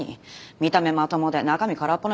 見た目まともで中身空っぽな